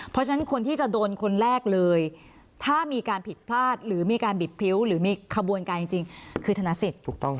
เพราะฉะนั้นคนที่จะโดนคนแรกเลยถ้ามีการผิดพลาดหรือมีการบิดพริ้วหรือมีขบวนการจริงคือธนสิทธิ์